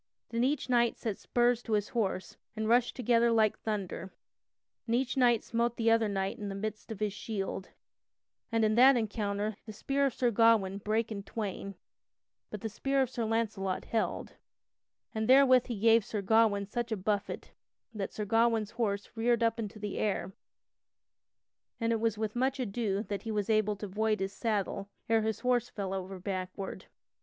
Then each knight set spurs to his horse and rushed together like thunder, and each knight smote the other knight in the midst of his shield; and in that encounter the spear of Sir Gawain brake in twain but the spear of Sir Launcelot held, and therewith he gave Sir Gawain such a buffet that Sir Gawain's horse reared up into the air, and it was with much ado that he was able to void his saddle ere his horse fell over backward.